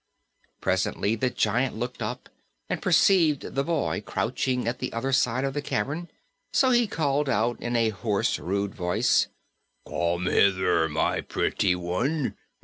Presently the giant looked up and perceived the boy crouching at the other side of the cavern, so he called out in a hoarse, rude voice: "Come hither, my pretty one.